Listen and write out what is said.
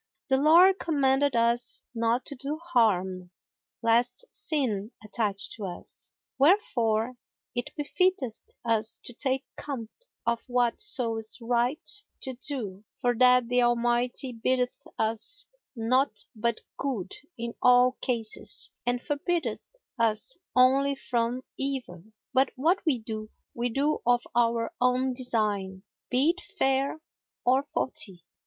The Lord commanded us not to do harm, lest sin attach to us; wherefore it befitteth us to take compt of whatso is right to do, for that the Almighty biddeth us naught but good in all cases and forbiddeth us only from evil; but what we do, we do of our own design, be it fair or faulty."